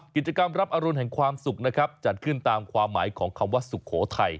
กิจกรรมรับอรุณแห่งความสุขนะครับจัดขึ้นตามความหมายของคำว่าสุโขทัย